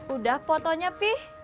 udah fotonya pi